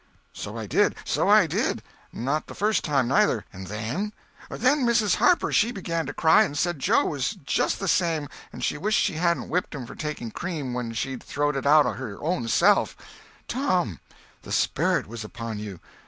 "So I did. So I did. Not the first time, neither. And then—" "Then Mrs. Harper she began to cry, and said Joe was just the same, and she wished she hadn't whipped him for taking cream when she'd throwed it out her own self—" "Tom! The sperrit was upon you!